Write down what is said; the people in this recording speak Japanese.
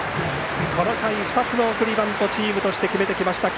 この回、２つの送りバントチームとして決めてきました